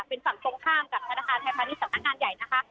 เป็นฝั่งตรงข้ามกับธนาคารไทยพาณิชยสำนักงานใหญ่นะคะ